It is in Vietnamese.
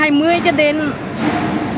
chưa giá cho tôi